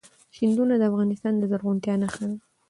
سیندونه د افغانستان د زرغونتیا نښه ده.